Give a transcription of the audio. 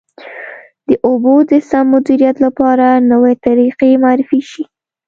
د اوبو د سم مدیریت لپاره نوې طریقې معرفي شي.